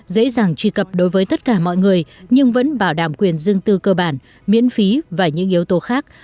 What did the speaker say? dễ dàng truy cập đối với tất cả mọi người nhưng vẫn bảo đảm quyền dương tư cơ bản miễn phí và những yếu tố khác